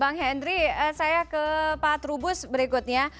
bang henry saya ke pak trubus berikutnya